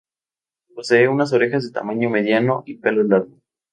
Posee unas orejas de tamaño mediano y pelo largo.